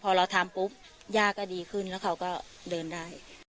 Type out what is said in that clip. พอเราทำปุ๊บย่าก็ดีขึ้นแล้วเขาก็เดินได้